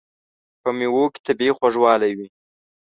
په مېوو کې طبیعي خوږوالی وي.